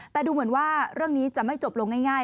แต่ดูเหมือนว่าเรื่องนี้จะไม่จบลงง่าย